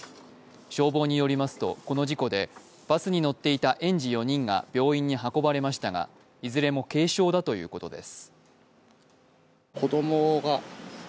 消防によりますと、この事故でバスに乗っていた園児４人が病院に運ばれましたが、いずれも軽傷だということです。